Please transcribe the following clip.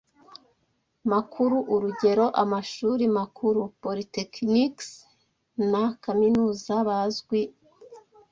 makuru urugero amashuri makuru polytechnics na kaminuza Bazwi n